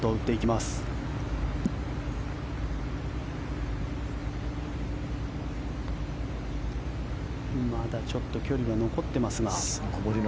まだちょっと距離が残っていますが。